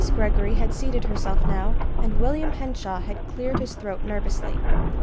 Greggory had seated herself now, and William Henshaw had cleared his throat nervously.